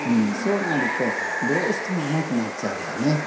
そうなるとどうしても甘くなっちゃうわね。